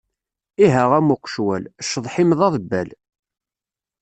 Iha am uqecwal, cceḍḥ-im d aḍebbal.